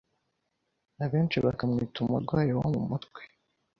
abenshi bakamwita umurwayi wo mu mutwe,